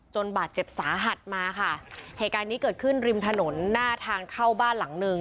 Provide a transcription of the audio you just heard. บาดเจ็บสาหัสมาค่ะเหตุการณ์นี้เกิดขึ้นริมถนนหน้าทางเข้าบ้านหลังหนึ่ง